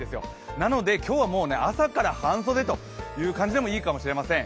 なので今日はもう朝から半袖という感じでもいいかもしれません。